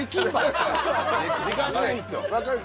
時間ないんですよ。わかる。